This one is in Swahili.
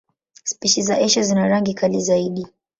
Spishi za Asia zina rangi kali zaidi.